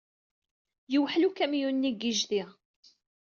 Yewḥel ukamyun-nni deg yijdi.